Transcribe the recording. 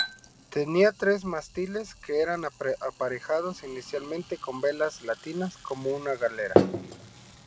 Tenía tres mástiles que eran aparejados inicialmente con velas latinas, como una galera.